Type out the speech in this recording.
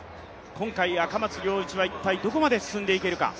今回、赤松諒一は一体どこまで進んでいけるか。